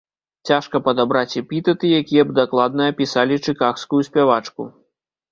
Цяжка падабраць эпітэты, якія б дакладна апісалі чыкагскую спявачку.